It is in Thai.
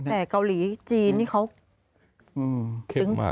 แต่เกาหลีจีนเขา